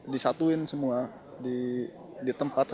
mestinya dari guru guru saya